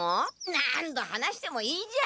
何度話してもいいじゃん。